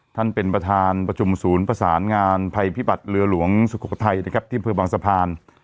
ท่านประธานเป็นประธานประชุมศูนย์ประสานงานภัยพิบัตรเรือหลวงสุโขทัยนะครับที่อำเภอบางสะพาน